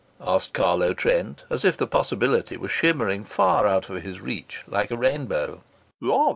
asked Carlo Trent, as if the possibility were shimmering far out of his reach like a rainbow.